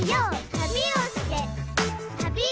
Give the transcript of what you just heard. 「旅をして旅をして」